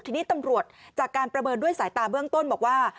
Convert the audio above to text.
ทีนี้ตำรวจจากการประเมินด้วยสายตาเบื้องต้นบอกว่า